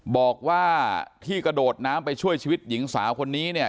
บอกว่าที่กระโดดน้ำไปช่วยชีวิตหญิงสาวคนนี้เนี่ย